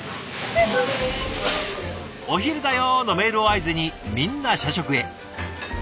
「お昼だよ」のメールを合図にみんな社食へ。